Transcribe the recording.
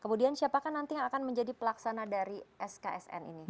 kemudian siapakah nanti yang akan menjadi pelaksana dari sksn ini